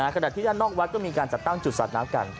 ขณะที่ด้านนอกวัดก็มีการจัดตั้งจุดสาดน้ำกัน